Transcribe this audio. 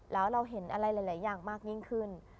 แล้วเราเห็นอะไรหลายอย่างมากยิ่งขึ้น